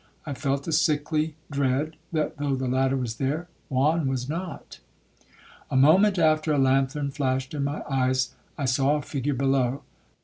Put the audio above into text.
I felt a sickly dread, that, though the ladder was there, Juan was not. A moment after a lanthorn flashed in my eyes,—I saw a figure below.